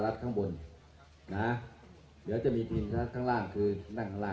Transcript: เมืองอัศวินธรรมดาคือสถานที่สุดท้ายของเมืองอัศวินธรรมดา